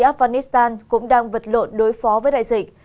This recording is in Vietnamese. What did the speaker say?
afghanistan cũng đang vật lộn đối phó với đại dịch